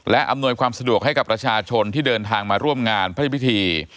และอำนวยความสะดวกให้กับประชาชนที่เดินทางมาร่วมงานพระพิธี